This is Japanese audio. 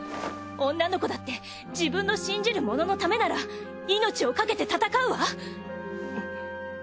女の子だって自分の信じるもののためなら命をかけて戦うわ！